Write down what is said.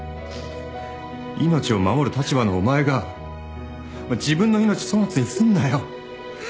命を守る立場のお前が自分の命粗末にすんなよ。